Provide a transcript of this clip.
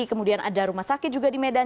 kemudian ada rumah sakit juga di medan